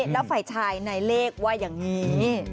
แล้วฝ่ายชายในเลขว่าอย่างนี้